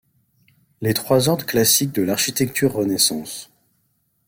Les trois ordres classique de l'architecture Renaissance.